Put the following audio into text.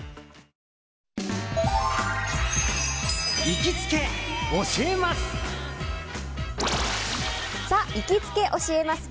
行きつけ教えます！